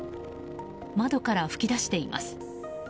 窓から噴き出しています。